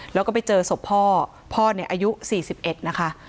แล้วก็ไปเจอศพพ่อพ่อเนี่ยอายุ๔๑นะคะ